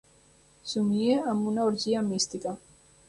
Somia amb una orgia mística.